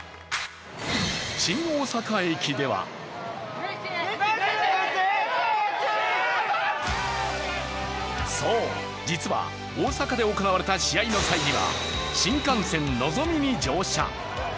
新大阪駅ではそう、実は大阪で行われた試合の際には、新幹線のぞみに乗車。